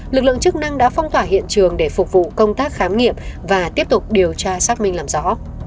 lực lượng chức năng đã phong tỏa hiện trường để phục vụ công tác khám nghiệm và tiếp tục điều tra xác minh làm rõ